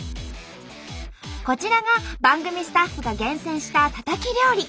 こちらが番組スタッフが厳選したタタキ料理。